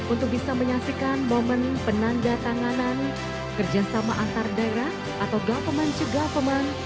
untuk bisa menyaksikan momen penanda tanganan kerjasama antar daerah atau government cegah pemain